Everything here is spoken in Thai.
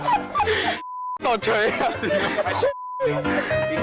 ไอ้ต้องกดนี่